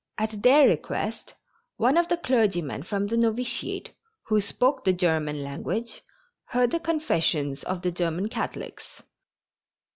At their request one of the clergymen from the Novitiate, who spoke the German language, heard the confessions of the German Catholics.